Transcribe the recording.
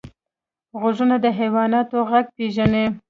غوږونه د حیواناتو غږ پېژني